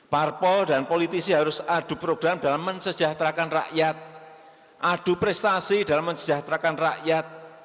parpol dan politisi harus adu program dalam mensejahterakan rakyat adu prestasi dalam mensejahterakan rakyat